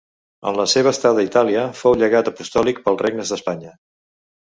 En la seva estada a Itàlia, fou llegat apostòlic pels regnes d'Espanya.